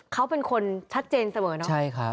เขาเป็นคนชัดเจนเสมอเนอะใช่ครับ